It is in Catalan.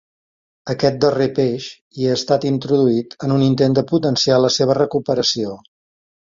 Aquest darrer peix hi ha estat introduït en un intent de potenciar la seva recuperació.